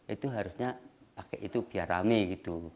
itu harusnya pakai itu biar rame gitu